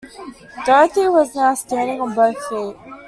Dorothy was now standing on both feet.